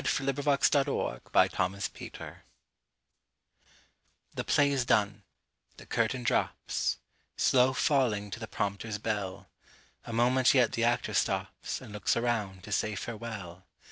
The End of the Play THE PLAY is done; the curtain drops, Slow falling to the prompter's bell:A moment yet the actor stops, And looks around, to say farewell.